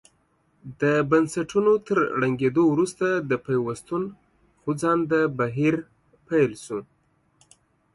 د بنسټونو تر ړنګېدو وروسته د پیوستون خوځنده بهیر پیل شو.